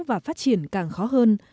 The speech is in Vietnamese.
và phát triển càng khó hơn